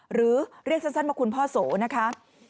หรือเรียกสั้นว่าคุณพ่อโสนะคะ